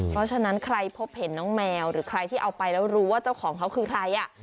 เพราะฉะนั้นใครพบเห็นน้องแมวหรือใครที่เอาไปแล้วรู้ว่าเจ้าของเขาคือใคร